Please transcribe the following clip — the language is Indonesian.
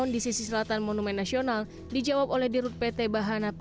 legalitas kami adalah legalitas sebenar